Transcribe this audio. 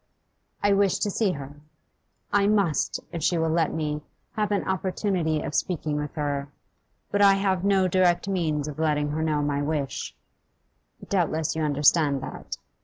I wish to see her; I must, if she will let me, have an opportunity of speaking with her. But I have no direct means of letting her know my wish; doubtless you understand that.